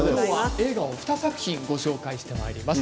映画を２作品ご紹介してまいります。